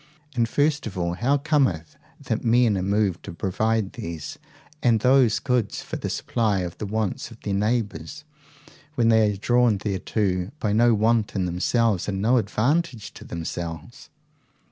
And first of all, how cometh it that men are moved to provide these and those goods for the supply of the wants of their neighbours, when they are drawn thereto by no want in themselves, and no advantage to themselves?